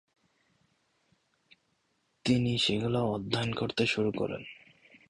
তিনি সেগুলো অধ্যয়ন করতে শুরু করেন।